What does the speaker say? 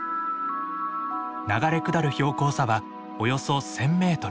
流れ下る標高差はおよそ１，０００メートル。